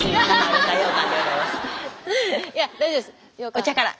お茶から！